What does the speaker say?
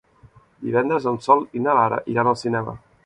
Divendres en Sol i na Lara iran al cinema.